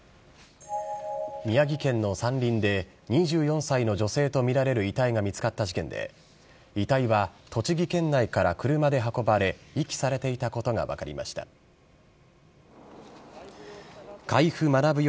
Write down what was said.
宮城県の山林で、２４歳の女性と見られる遺体が見つかった事件で、遺体は栃木県内から車で運ばれ、遺棄されていたことが分かりました。